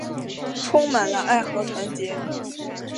充满了爱和团结